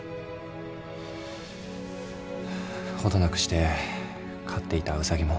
程なくして飼っていたウサギも。